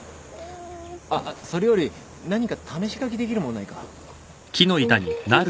あっそれより何か試し書きできるものないか？